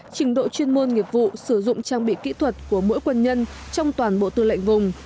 trình độ chuyên môn nghiệp vụ sử dụng trang bị kỹ thuật của mỗi quân nhân trong toàn bộ tư lệnh vùng